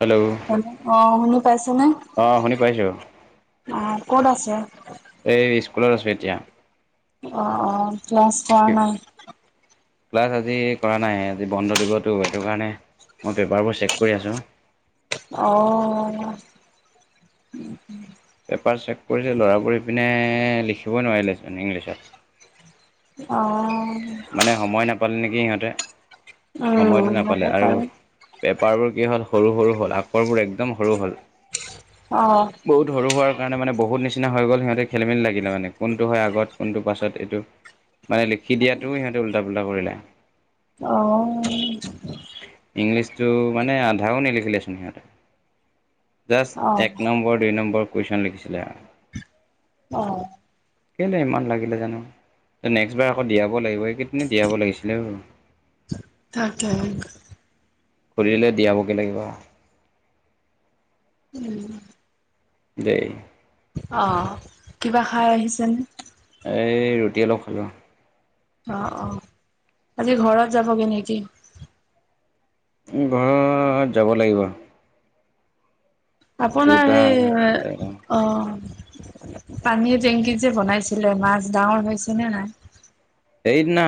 Hello অ' খুনি পাইছে নে? অঁ শুনি পাইছোঁ অ' ক'ত আছে? এই স্কুলত আছোঁ এতিয়া। অ', অ' ক্লাস কৰা নাই? ক্লাস আজি কৰা নাই আজি বন্ধ দিবতো সেইটো কাৰনে মই পেপাৰ বোৰ চেক কৰি আছোঁ। অ'। পেপাৰ চেক কৰিছে, ল'ৰা বোৰ এইপিনে লিখিবই নোৱাৰিলে চোন ইংলিছত। অ'। মানে সময় নাপালে নেকি সিহঁতে সময়টো উম হ'ব নাপালে আৰু পাৰে পেপাৰবোৰ কি হ'ল সৰু-সৰু হ'ল, আখৰবোৰ একদম সৰু হ'ল। অ'। বহুত সৰু হোৱাৰ কাৰণে মানে, বহুত নিচিনা হৈ গল সিহঁতে খেলি মেলি লাগিলে মানে কোনটো হয়, আগত কোনটো পাছত এইটো মানে লিখি [unintelligible] সিহঁতে উল্টা-পুল্টা কৰিলে। অ'। ইংলিছটো মানে আধাও নিলিখিলেচোন সিহঁতে। জাস্ট অ এক নম্বৰ দুই নম্বৰ কুৱেশ্যন লিখিছিলে। অ'। কেলে ইমান লাগিলে জানো নেক্ট বাৰ আকৌ দিয়াব লাগিব, এইকেদিনে দিয়াব লাগিছিলে। [unintelligible] তাকে। [unintelligible] দিয়াবগে লাগিব। উম। [unintelligible] অ' কিবা খাই আহিছানে? এই ৰুটি অলপ খালোঁ। অ', অ' আজি ঘৰত যাবগে নকি? উম, ঘৰত যাব লাগিব। আপোনাৰ দুটা সেই অ' পানীৰ টেংকীত যে বনাইছিলে মাছ, ডাঙৰ হৈছেনে নাই? এইদিনা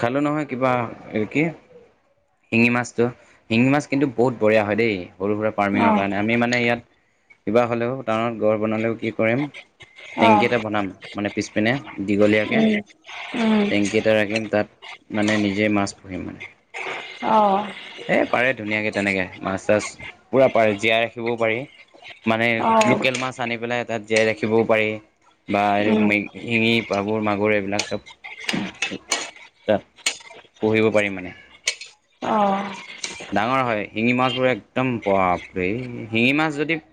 খালোঁ নহয় কিবা এই কি শিঙি মাছটো শিঙি মাছ কিন্তু, বহুত বঢ়িয়া হয় দেই সৰু সুৰা অ ফাৰ্মিঙৰ কাৰণে আমি মানে ইয়াত, কিবা হ'লেও টাউনত গড় বনালেও কি কয়। অ টেংকী এটা বনাম মানে পিছপিনে দীঘলীয়াকে। উমঁ। টেংকী এটা ৰাখিম তাত মানে, নিজেই মাছ পুহিম মানে। অ এ পাৰে ধুনীয়াকে তেনেকে, মাছ তাছ পুৰা পাৰে জীয়াই ৰাখিবও পাৰি। মানে অ লোকেল মাছ আনি পেলাই তাত, জীয়াই ৰাখিবও পাৰি বা উম মে- শিঙি পাবোৰ মাগুৰ এইবিলাক চব। তাত পঢ়িব পাৰিম মানে। অঁ। ডাঙৰ হয় শিঙি মাছবোৰ একদম বাপৰি শিঙি মাছ যদি?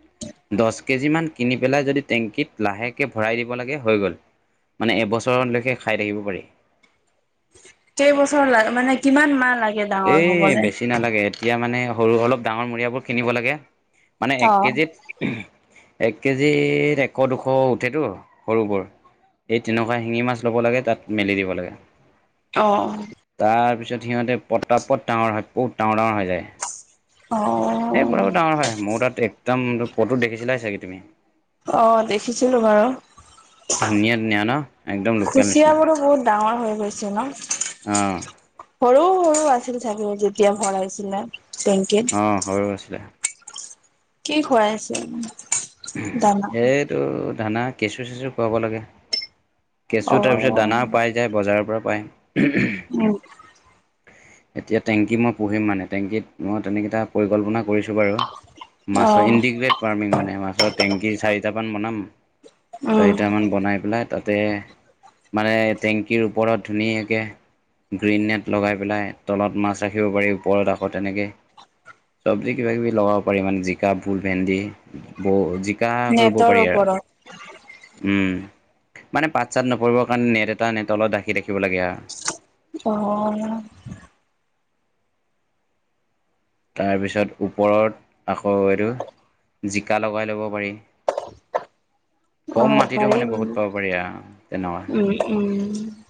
দহ কেজিমান কিনি পেলাই যদি, টেংকীত লাহেকৈ ভৰাই দিব লাগে হৈ গ'ল। মানে এবছৰলৈকে খাই থাকিব পাৰি। কেইবছৰ ল মানে কিমান মাহ লাগে? ডাঙৰ এই হ'বলে? বেছি নালাগে, এতিয়া মানে সৰু অলপ ডাঙৰ মূৰিয়াবোৰ কিনিব লাগে। মানে এক অ', কেজিত এক কেজিত এশ দুশ উঠেতো সৰুবোৰ। এই তেনেকুৱা শিঙি মাছ ল'ব লাগে তাত মেলি দিব লাগে। অঁ অঁ! তাৰ পিছত সিহঁতে পতা পত ডাঙৰ হয় বহুত ডাঙৰ ডাঙৰ হৈ যায়। অঁ অঁ! এই পতাপত ডাঙৰ হয় মোৰ তাত একদম পটো দেখিছিলা চাগে তুমি। অঁ দেখিছিলো বাৰু। ধুনীয়া ধুনীয়া ন একদম লোকেল নিচিনা কুচিয়াবোৰো বহুত ডাঙৰ হৈ গৈছে ন। অঁ! সৰু সৰু আছিল চাগে যেতিয়া ভৰাই ছিলা টেংকিত। অঁ সৰু আছিলে। কি খুৱাই আছে? এইটো ধানা কেঁচু চেঁচু খুৱাব লাগে। কেঁচু তাৰপিছত অ', দানাও পাই যায় বজাৰৰ পৰা পায়। উমঁ! এতিয়া টেংকী মই পুহিম মানে টেংকীত মই তেনেকেইটা পৰিকল্পনা কৰিছোঁ বাৰু। মাছৰ অ', ইণ্টিগ্ৰেট পাৰ্মিং মানে মাছৰ টেংকি চাৰিটামান বনাম। উম, চাৰিটা মান বনাই পেলাই- তাতে মানে টেংকীৰ ওপৰত ধুনীয়াকৈ গ্ৰীণনেট- লগাই পেলাই তলত মাছ ৰাখিব পাৰি ওপৰত আকৌ তেনেকে- চব্জি কিবা কিবি লগাব পাৰি মানে জিকা ভোল ভেন্দি বৌ জি- শিকা কৰিব নেটৰ পাৰি আৰু ওপৰত উমঁ মানে পাত চাত নপৰিবৰ কাৰণে নেট এটা নেট অলত ঢাকি ৰাখিব লাগে আৰ। অঁ অঁ! তাৰপিছত ওপৰত আকৌ এইটো। জিকা লগাই ল'ব পাৰি। কম অ', মাটিতো পাৰি মানে বহুত পাব পাৰি আৰু তেনেকুৱা। ওউ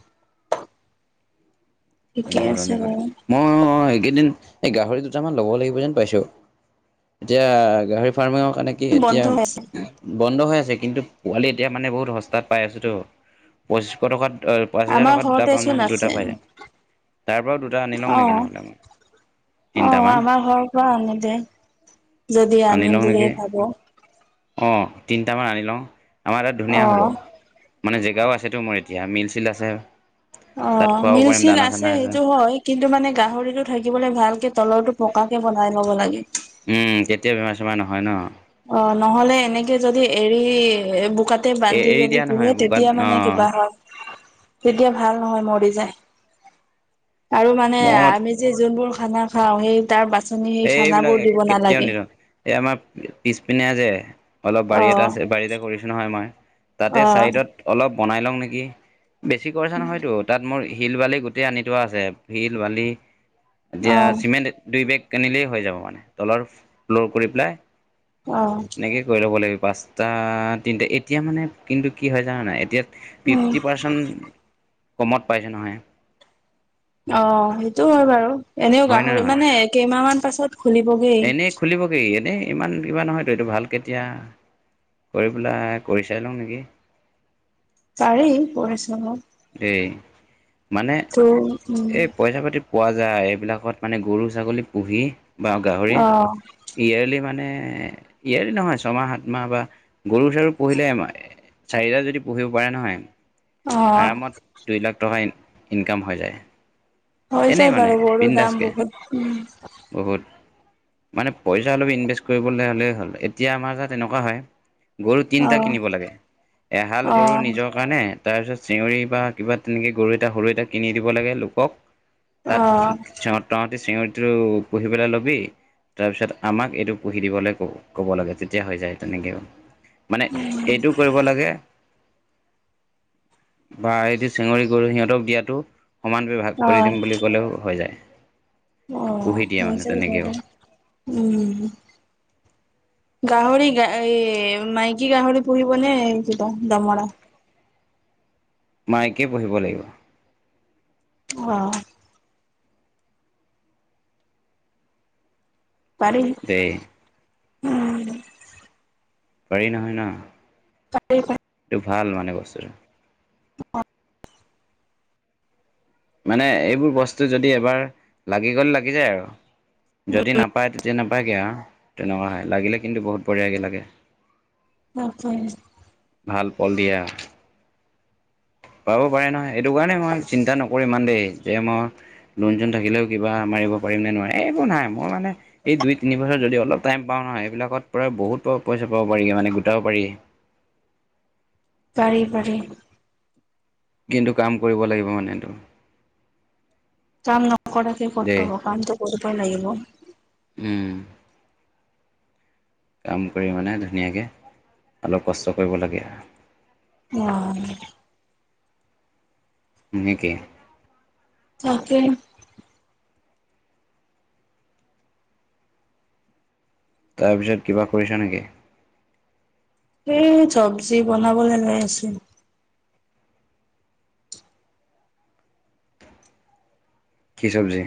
ঠিকে তেনেকুৱা আছে ধৰণৰ ক বাৰু। মই- কেইদিন এই গাহৰি দুটামান ল'ব লাগিব যেন পাইছোঁ এতিয়া গাহৰি ফাৰ্মিঙৰ কাৰণে- কি বন্ধ এতিয়া- আছে, বন্ধ হৈ আছে, কিন্তু পোৱালি এতিয়া মানে বহুত সস্তাত পাই আছোতো, পঁচিছশ টকাত অ', পাঁচ হেজাৰ আমাৰ টকাত দুটা ঘৰতে পাম চোন নহ, দুটা আছে পাই যাম, তাৰ পৰাও দুটা আনি লওঁ নেকি অ'। নহ'লে মই। অ', তিনিটামান আমাৰ ঘৰৰ পৰা আমি দে, যদি আনিম বুলি ভাব। অ', তিনিটামান আনি লওঁ, আমাৰ তাত ধুনীয়া হ'ব। অ'। মানে জেগাও আছেতো মোৰ এতিয়া, মিল-চিল আছে। তাত অ', খুৱাব পাৰিম মিল-চিল দানা আছে, চানা সেইটো হয়, কিন্তু মানে গাহৰিতটো থাকিবলে ভালকে তলৰতটো পকা কে বনাই ল'ব লাগে। উম, তেতিয়া বেমাৰ-চেমাৰ নহয় ন'? অ', নহ'লে এনেকে যদি এৰি বোকাত তে এ বান্ধি এৰি যদি দিয়া পুহি, নহয় বোকাত তেতিয়া অ মানে কিবা হয়। তেতিয়া ভাল নহয়, মৰি যায়, আৰু মানে মত আমি যে যোনবোৰ খানা খাওঁ, সেই তাৰ বাচনি সেই খানা এইবিলাক বোৰ দিব কেতিয়াও নালাগে। নিদিওঁ এই আমাৰ পিছপিনে যে অলপ বাৰী এটা অ', আছে, বাৰীতে কৰিছোঁ নহয় মই, তাতে অ', চাইডত অলপ বনাই লওঁ নেকি। বেছি খৰছা নহয়তো, তাত মোৰ শিল বালি গোটেই আনি থোৱা আছে, শিল, বালি এতিয়া অ', চিমেণ্ট দুই বেগ কিনিলেই হৈ যাব মানে, তলৰ ফ্ল'ৰ কৰি পেলাই অ'। এনেকেই কৰি ল'ব লাগিব, পাঁচটা তিনিটা, এতিয়া মানে কিন্তু কি হয় জানানাই এতিয়া উম। ফিফটি পাৰ্চন্ত কমত পাইছে নহয়। অ', সেইটো হয় বাৰু, এনেও হয় নে গাহৰি নহয় মানে কেইমাহ মান পাছত খুলিবগে। খুলিবগেই, এনেই ইমান কিবা নহয়তো এইটো ভাল কেতিয়া। কৰি পেলাই, কৰি চাই লওঁ নেকি। চাৰি পৰিশ্ৰমক। এই, মানে উম এই পইচা-পাতি পোৱা যায়, এইবিলাকত মানে গৰু, ছাগলী পুহি বা গাহৰি অ ইয়ে্লি মানে, ইয়েৰ্লি নহয় ছমাহ, সাতমাহ বা গৰু-চৰু পুহিলে মই চাৰিটা যদি পুহিব পাৰে নহয়, অ আৰামত দুইলাখ টকা ইনকাম হৈ যায়। হৈ এনেই যায় মানে বাৰু গৰুৰ দাম বিন্দাছকে বহুত, উম। বহুত। মানে পইচা অলপ ইনভেষ্ট কৰিবলৈ হ'লেই হ'ল, এতিয়া আমাৰ তাত এনেকুৱা হয়। গৰু অ তিনিটা কিনিব লাগে, এহাল অ গৰু নিজৰ কাৰণে, তাৰপিছত চিঞৰি বা কিবা তেনেকে গৰু এটা সৰু এটা কিনি দিব লাগে, লোকক। অ তাত, তহঁতি চিঞৰিটো পুহিবলে লবি। তাৰপিছত আমাক এইটো পুহি দিবলে কব, ক'ব লাগে, তেতিয়া হৈ যায়, তেনেকেও। মানে এইটো কৰিব লাগে। বা এইটো চেঙৰি, গৰু, সিহঁতক দিয়াটো, সমান [unintelligible] ভাগ অ কৰি দিম ক'লেও হৈ যায়। পুহি দিয়ে অ', মানে আছোঁ তেনেকৈও ঘৰতে, উম। গাহৰি গ এই মাইকী গাহৰি পোহিব নে, এই দমৰা? মাইকী পুহিব লাগিব। অ'। পাৰি। দে। উম পাৰি নহয় ন'? পাৰি-পাৰি। এইটো ভাল মানে বস্তুটো। মানে এইবোৰ বস্তু যদি এবাৰ লাগি গ'লে লাগি যায় আৰু, যদি নাপায় যে, নাপায়গে আও তেনেকুৱা হয়, লাগিলে কিন্তু বহুত বঢ়িয়াকে লাগে। তাকে। ভাল পল দিয়া। পাব পাৰে নহয়, সেইটো কাৰণে মই চিন্তা নকৰো ইমান দেই, যে মই লোন যোন থাকিলেও কিবা মাৰিব পাৰিম নে নোৱাৰে, এইবোৰ নাই মোৰ মানে এই দুই তিনি বছৰত যদি অলপ টাইম পাওঁ নহয়, এইবিলাকত পৰা বহুত পইচা পাব পাৰি, মানে গোটাব পাৰি। পাৰি পাৰি। কিন্তু কাম কৰিব লাগিব মানে তোৰ। কাম নকৰাকে ক'ত দেই পাব, কামটো কৰিববই লাগিব। হম'। কাম কৰি মানে ধুনীয়াকে, অলপ কষ্ট কৰিব লাগে। উম। নেকি। তাকে। তাৰপিছত কিবা কৰিছা নেকি? এই চবজি বনাবলে লৈ আছোঁ। কি চবজি?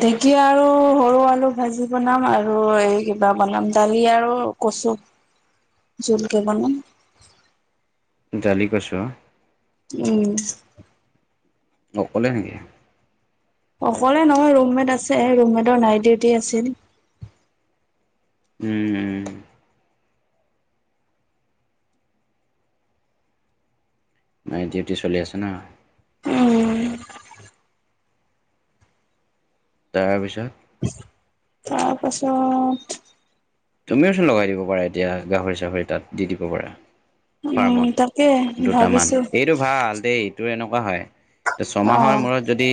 ঢেঁকীয়া আৰু সৰু আলু ভাজি বনাম, আৰু এই কিবা বনাম দালি আৰু কচু। জোল কে বনাম। জালি কচু। উম। অকলে নিকি? অকলে নহয় ৰুমমেট আছে, ৰুমমেটৰ নাইট ডিউটি আছিল। উম। উম। নাইন ডিউটি চলি আছে ন'? উম। তাৰপিছত। তাৰপাছত। তুমিওচোন লগাই দিব পাৰা এতিয়া, গাহৰি চাহৰি তাত দি দিব পাৰা। উম, তাকে ফাৰ্মত দুটামান ভাবিছো এই। এইটো ভাল দেই, তোৰ এনেকুৱা হয়, ছমাহৰ অ', মূৰত। যদি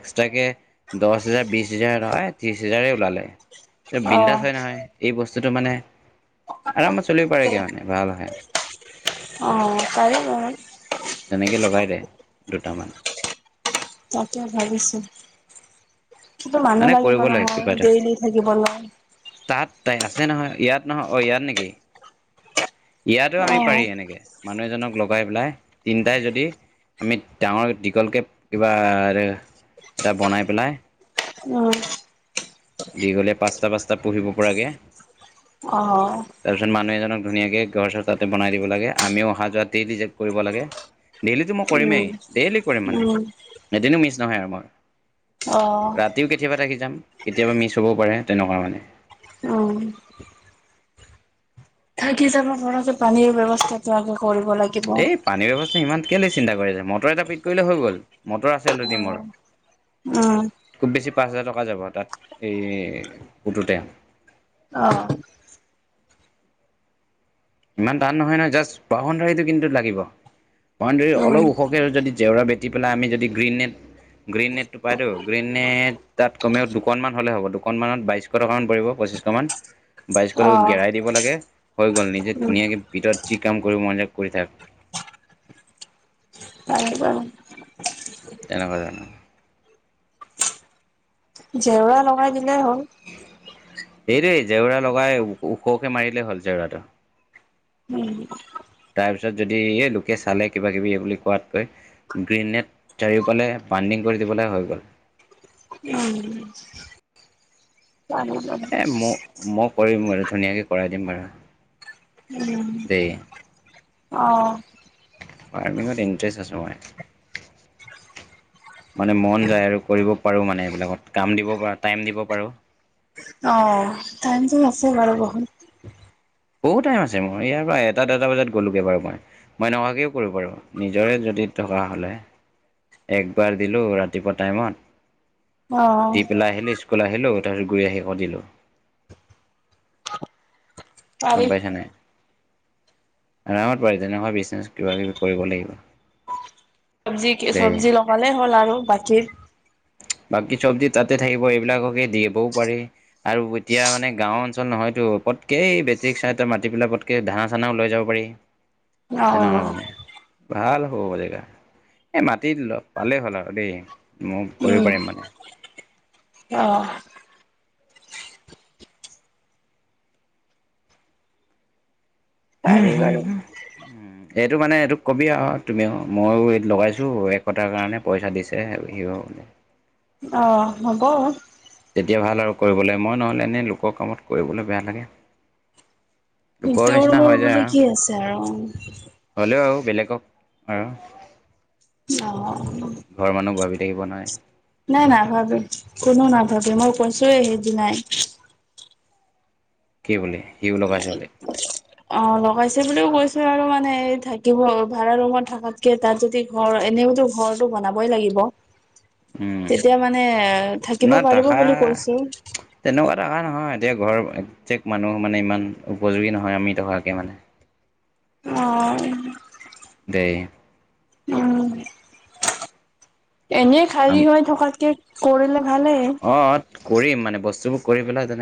এক্সট্ৰাকে দহ হেজাৰ, বিছ হেজাৰ হয়, ত্ৰিছ হেজাৰ ওলালে। বিন্দাজ অ', হয় নহয়, এই বস্তুটো মানে আৰামত চলিব পাৰেগে মানে ভাল হয়। অ' পাৰিব। তেনেকে লগাই দে দুটামান। তাকে ভাবিছো, কিন্তু মানুহ মানে লাগিব কৰিব লাগে নহয় কিবা এটা। ডেইলি থাকিবলে। তাত তাই আছে নহয়, ইয়াত নহয় অ' ইয়াত নেকি? ইয়াতো আমি অ', পাৰি এনেকে, মানুহ এজনক লগাই পেলাই তিনিটাই যদি। আমি ডাঙৰ দীঘলকে কিবা এটা বনাই পেলাই। অ'। দি গ'লে পাঁচটা পাঁচটা পঢ়িব পৰাকে। অ'। তাৰপিছত মানুহ এজনক ধুনীয়াকে ঘৰ-চৰ তাতে বনাই দিব লাগে। আমিও অহা যোৱাতেই ৰিজেক্ট কৰিব লাগে। ডেইলিতটো মই উম, কৰিমেই। ডেইলি কৰিম মানে। উম, এদিনো মিছ নহয় আৰু মোৰ। অ', ৰাতিও কেতিয়াবা থাকি যাম। কেতিয়াবা মিছ হ'বও পাৰে, তেনেকুৱা মানে। অঁ। থাকি যাব পৰাতে পানীৰ ব্যৱস্থাটো আগে কৰিব লাগি এই পানীৰ ব্যৱস্থা সিমান কেলে চিন্তা কৰি আছে? মটৰ এটা ফিট কৰিলে হৈ গ'ল। মটৰ আছে এলৰেদি মোৰ। উম। খুব বেছি পাঁচ হাজাৰ টকা যাব তাত এই পুটোতে। অ। ইমান টান নহয় নহয়। জাষ্ট বাউণ্ডেৰী কিন্তু লাগিব। বাউণ্ডেৰী উম, অলপ ওখ আৰু যদি জেওৰা বেটি পেলাই আমি যদি গ্ৰীণ নেট গ্ৰীণ নেটটো পাইতো। গ্ৰীণ নেট তাত কমেও দুখনমান হ'লে হ'ব। দুখনমানত বাইশ শ টকা মান পৰিব পঁচিশমান। [inaudible] [unintelligible] অ', ঘেৰাই দিব লাগে, হৈ গ'ল। নিজে উম, ধুনীয়াকে ভিতৰত যি কাম কৰিব মন যায় কৰি থাক। [inaudible] [inaudible] জেওৰা লগাই দিলেই হ'ল। সেইটোৱেই জেওৰা লগাই ওখকে মাৰি দিলে হ'ল জেওৰাটো। উম। তাৰপিছত যদি এ লোকে চালে কিবা কিবি এই বুলি কোৱাতকৈ গ্ৰীণ নেট চাৰিওফালে বানডিং কৰি দিবলে হৈ গ'ল। উম। পাৰি বাৰু এ মই-মই কৰিম বাৰু ধুনীয়াকে কৰাই দিম বাৰু। উম। দে। অ। ফাৰ্মিঙত ইণ্টৰেষ্ট আছোঁ মই। মানে মন যায় আৰু কৰিব পাৰোঁ মানে এইবিলাকত কাম দিব পাৰোঁ, টাইম দিব পাৰোঁ। অ। টাইমতো আছে বাৰু বহুত। বহুত টাইম আছে মোৰ। ইয়াৰ পৰা এটা-ডেৰটা বজাত গ'লোগে বাৰু মই। মই এনেকুৱাকৈও কৰিব পাৰোঁ। নিজৰে যদি থকা হ'লে! একবাৰ দিলোঁ ৰাতিপুৱা টাইমত। অ', দি পেলাই আহিলি, স্কুল আহিলোঁ। তাৰপিছত গৈ আহি আকৌ দিলো। পাৰি গম পাইছা নাই। আৰামত পাৰি। তেনেকুৱা বিজনেছ কিবা কিবি কৰিব লাগিব। চব্জি কি দেই চব্জি লগালেই হ'ল আৰু বাকীৰ বাকী চব্জি তাতে থাকিব। এইবিলাককে দি আহিবও পাৰি। আৰু এতিয়া মানে গাঁও অঞ্চল নহয়তো, পতকে এই বেটেৰী ৰিক্সা এটা মাতি পেলাই পতকে ধানা চানাও লৈ যাব পাৰি। [inaudible] তেনেকুৱা অ', মানে। ভাল হ'ব জেগা। এই মাতি ল পালেই হ'ল আৰু দেই, মই কৰিব উম, পাৰিম মানে। অ। হুম পাৰি হুম বাৰু হুম। [unintelligible] এইটো মানে এইটো কবি আৰু তুমিও ময়ো এই লগাইছোঁ এক কটাৰ কাৰণে পইচা দিছে সিও মানে অ', হ'ব। তেতিয়া ভাল আৰু কৰিবলে মই নহ'লে এনেই লোকৰ কামত কৰিবলৈ বেয়া লাগে। লোকৰ নিচিনা হৈ যায় [unintelligible] আৰু কি আছে আৰু। হ'লেও আৰু বেলেগক আৰু। ঘৰৰ মানুহ ভাবি থাকিব নোৱাৰি অ'। নাই নাভাবে, কোনো নাভাবে মই কৈছোয়ে সেইদিনাই। কি বুলি, সিও লগাইছে বুলি? অ', লগাইছে বুলিও কৈছো আৰু মানে এই থাকিব ভাড়া ৰুমত থাকাতকে তাত যদি ঘৰ এনেওতো ঘৰটো বনাবই লাগিব। উম তেতিয়া মানে থাকিব না পাৰিব টাকা বুলি কৈছে। তেনেকুৱা [unintelligible] নহয় এতিয়া ঘৰৰ একজেক মানুহ মানে ইমান উপযোগী নহয় আমি থকাকে মানে। অ'। দেই। উম এনেই খালী হৈ থকাতকে কৰিলে ভালেই। অ', কৰিম মানে বস্তুবোৰ কৰি পেলাই তেনেক